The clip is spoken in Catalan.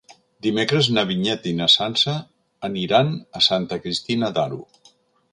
Dimecres na Vinyet i na Sança aniran a Santa Cristina d'Aro.